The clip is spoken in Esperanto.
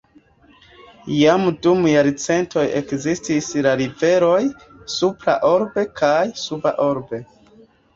Jam dum jarcentoj ekzistis la riveroj "Supra Orbe" kaj "Suba Orbe".